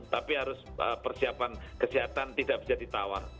tapi harus persiapan kesehatan tidak bisa ditawar